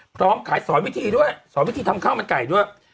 พร้อมขายสอนวิธีด้วยสอนวิธีทำข้าวมันไก่ด้วย